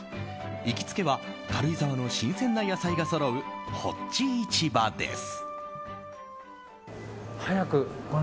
行きつけは軽井沢の新鮮な野菜がそろう発地市庭です。